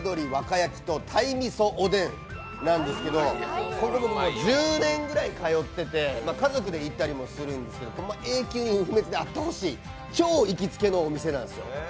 やきと鯛味噌おでんなんですけど、これも１０年ぐらい通ってて家族で行ったりもするんですけどこれ、永久に不滅であってほしい超行きつけのお店なんです。